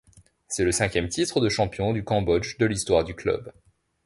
C'est le cinquième titre de champion du Cambodge de l'histoire du club.